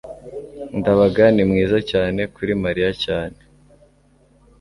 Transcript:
ndabaga ni mwiza cyane kuri mariya cyane